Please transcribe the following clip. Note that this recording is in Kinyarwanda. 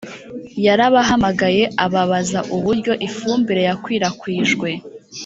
yarabahamagaye ababaza uburyo ifumbire yakwirakwijwe